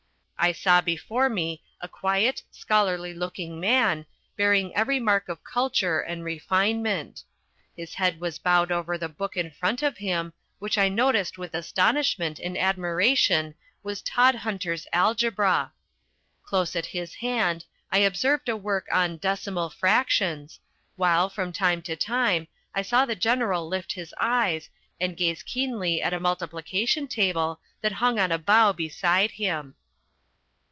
I saw before me a quiet, scholarly looking man, bearing every mark of culture and refinement. His head was bowed over the book in front of him, which I noticed with astonishment and admiration was Todhunter's Algebra. Close at his hand I observed a work on Decimal Fractions, while, from time to time, I saw the General lift his eyes and glance keenly at a multiplication table that hung on a bough beside him.